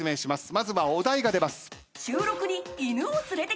まずはお題が出ます。